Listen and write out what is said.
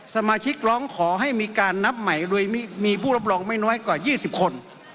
สมาชิกร้องขอให้มีการนับใหม่โดยมีผู้รับรองไม่น้อยกว่า๒๐คน